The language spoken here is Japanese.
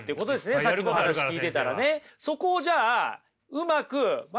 さっきも話聞いてたらね。